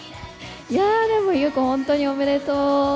いやー、でも、優子、本当におめでとう。